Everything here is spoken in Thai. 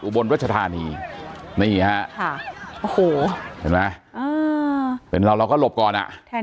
อุบลวัชฌาธารณีนี่ค่ะโอ้โหเห็นมั้ยเป็นเราก็หลบก่อนอ่ะแทน